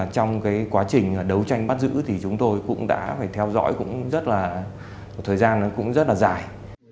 trong quá trình đấu tranh bắt giữ chúng tôi cũng đã theo dõi một thời gian rất dài